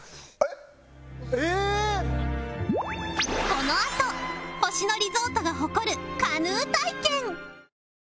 このあと星野リゾートが誇るカヌー体験